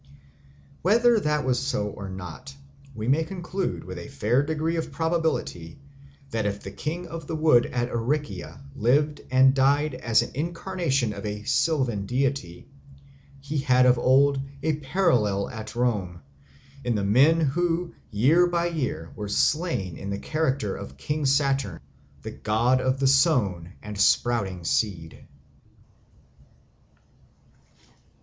Whether that was so or not, we may conclude with a fair degree of probability that if the King of the Wood at Aricia lived and died as an incarnation of a sylvan deity, he had of old a parallel at Rome in the men who, year by year, were slain in the character of King Saturn, the god of the sown and sprouting seed.